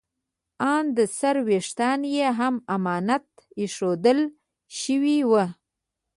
ان د سر ویښتان یې هم امانت ایښودل شوي وو.